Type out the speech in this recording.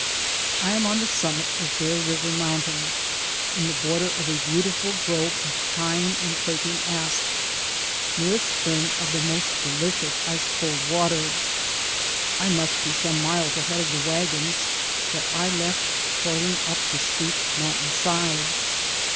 I am on the summit of Bear River Moun tain, in the border of a beautiful grove of pine and quaking asp, near a spring of the most deHcious ice cold water. I must be some miles ahead of the wagons that I left toiling up the steep mountain side.